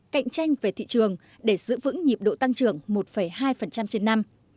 cạnh tranh về thị trường để giữ vững nhiệm độ tăng trưởng một hai trên năm